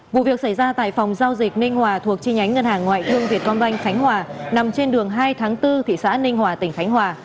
vụ việc xảy ra tại phòng giao dịch ninh hòa thuộc chi nhánh ngân hàng ngoại thương việt công banh khánh hòa nằm trên đường hai tháng bốn thị xã ninh hòa tỉnh khánh hòa